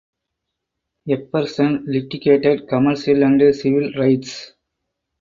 Epperson litigated commercial and civil rights.